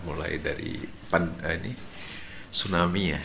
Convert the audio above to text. mulai dari pan ini tsunami ya